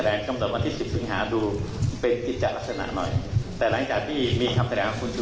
แล้วก็ก็เรียกความชัดเจนขึ้น